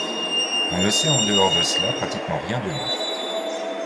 On ne sait en dehors de cela pratiquement rien de lui.